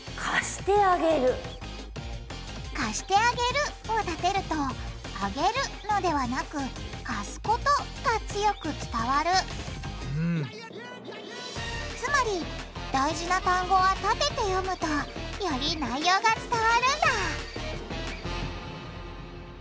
「貸してあげる」をたてるとあげるのではなく「貸すこと」が強く伝わるつまり大事な単語はたてて読むとより内容が伝わるんだ！